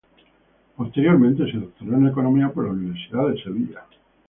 Posteriormente se doctoró en Economía por la Universidad de Sevilla.